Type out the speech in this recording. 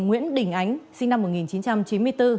nguyễn đình ánh sinh năm một nghìn chín trăm chín mươi bốn